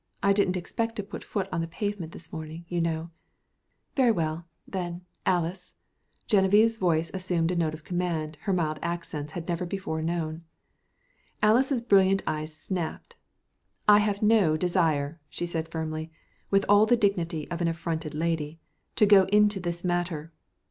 I didn't expect to put foot on the pavement this morning, you know." "Very well, then, Alys!" Genevieve's voice assumed a note of command her mild accents had never before known. Alys' brilliant eyes snapped. "I have no desire," she said firmly, with all the dignity of an affronted lady, "to go into this matter."